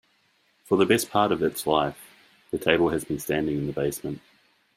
For the best part of its life, the table has been standing in the basement.